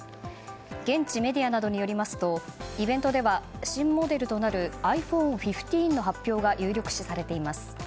現地メディアなどによりますとイベントでは、新モデルとなるｉＰｈｏｎｅ１５の発表が有力視されています。